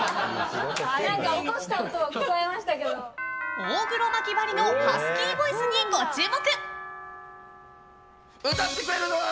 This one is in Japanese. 大黒摩季ばりのハスキーボイスにご注目！